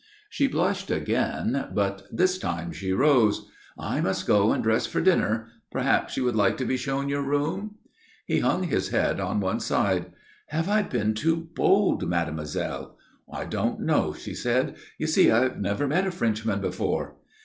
She blushed again; but this time she rose. "I must go and dress for dinner. Perhaps you would like to be shown your room?" He hung his head on one side. "Have I been too bold, mademoiselle?" "I don't know," she said. "You see, I've never met a Frenchman before."